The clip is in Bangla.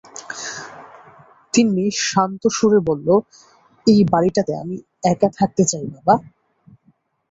তিন্নি শান্ত সুরে বলল, এই বাড়িটাতে আমি একা থাকতে চাই বাবা।